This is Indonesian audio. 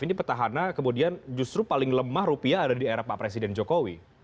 ini petahana kemudian justru paling lemah rupiah ada di era pak presiden jokowi